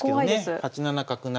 ８七角成。